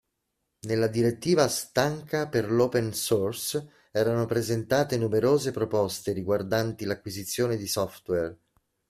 Nella "Direttiva Stanca per l'open source" erano presentate numerose proposte riguardanti l'acquisizione di software.